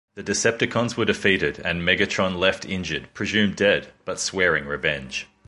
The Decepticons were defeated and Megatron left injured, presumed dead, but swearing revenge.